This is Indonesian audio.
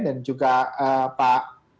dan juga pak